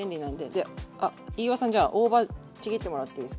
であ飯尾さんじゃあ大葉ちぎってもらっていいですか？